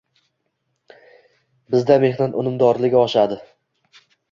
Bizda mehnat unumdorligi oshadi